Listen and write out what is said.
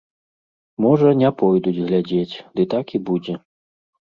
Можа, не пойдуць глядзець, дык так і будзе.